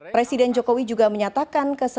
presiden jokowi juga menyatakan